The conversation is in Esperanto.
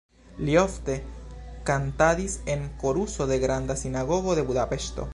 Li ofte kantadis en koruso de Granda Sinagogo de Budapeŝto.